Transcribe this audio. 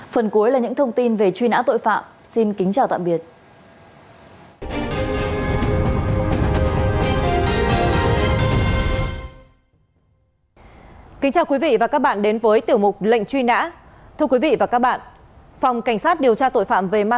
phần cuối là những thông tin về trường hợp